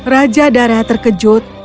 raja dara terkejut